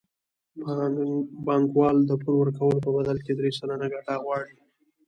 بانکوال د پور ورکولو په بدل کې درې سلنه ګټه غواړي